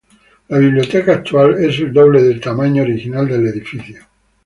La biblioteca actual es el doble del tamaño original del edificio.